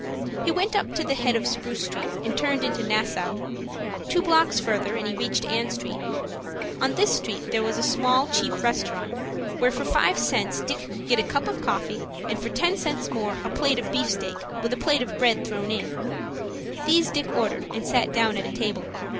He went up to the head of Spruce Street, and turned into Nassau. Two blocks further, and he reached Ann Street. On this street was a small, cheap restaurant, where for five cents Dick could get a cup of coffee, and for ten cents more, a plate of beefsteak with a plate of bread thrown in. These Dick ordered, and sat down at a table.